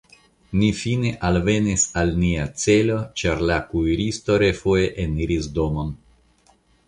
Ni fine alvenis al nia celo, ĉar la kuiristo refoje eniris domon.